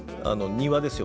庭ですよ